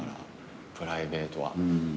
プライベートは。